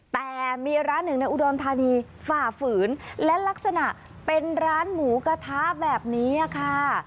แต่มีร้านหนึ่งในอุดรธานีฝ่าฝืนและลักษณะเป็นร้านหมูกระทะแบบนี้ค่ะ